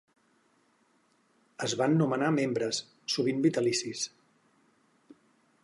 Es van nomenar membres, sovint vitalicis.